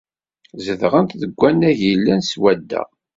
Zedɣent deg wannag yellan swadda.